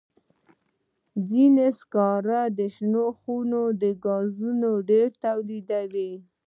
ځینې سکاره د شنو خونو ګازونه ډېر تولیدوي.